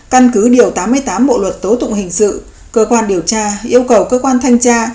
căn cứ điều tám mươi tám bộ luật tố tụng hình sự cơ quan điều tra yêu cầu cơ quan thanh tra